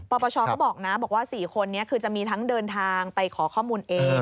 ปปชก็บอกนะบอกว่า๔คนนี้คือจะมีทั้งเดินทางไปขอข้อมูลเอง